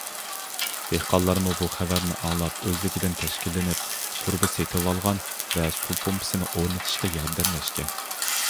دېھقانلارمۇ بۇ خەۋەرنى ئاڭلاپ ئۆزلۈكىدىن تەشكىللىنىپ، تۇرۇبا سېتىۋالغان ۋە سۇ پومپىسىنى ئورنىتىشقا ياردەملەشكەن.